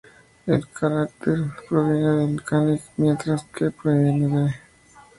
El carácter す proviene del kanji 寸, mientras que ス proviene de 須.